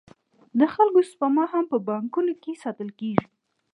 د خلکو سپما هم په بانکونو کې ساتل کېږي